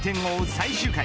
最終回。